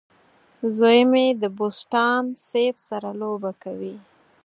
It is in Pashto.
زوی مې د بوسټان سیب سره لوبه کوي.